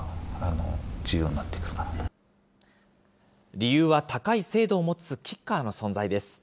理由は高い精度を持つキッカーの存在です。